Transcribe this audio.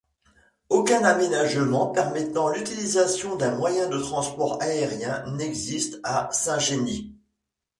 Aucun aménagement permettant l'utilisation d'un moyen de transport aérien n'existe à Saint-Genis.